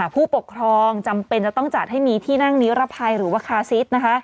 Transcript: ผู้ปกครองจำเป็นจะต้องจัดให้มีที่นั่งนิรภัยหรือว่าคาซิส